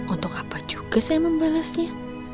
untuk apa juga saya membalasnya